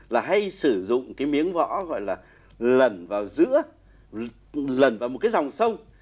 là hay sử dụng cái miếng võ gọi là lần vào giữa lần vào một cái dòng sông